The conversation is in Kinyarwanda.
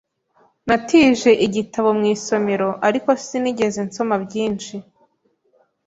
Natije igitabo mu isomero, ariko sinigeze nsoma byinshi.